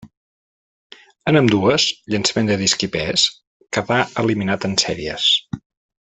En ambdues, llançament de disc i pes, quedà eliminat en sèries.